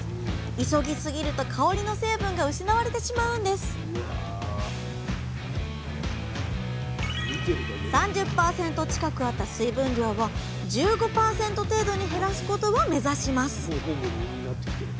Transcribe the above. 急ぎすぎると香りの成分が失われてしまうんです３０％近くあった水分量を１５％程度に減らすことを目指します。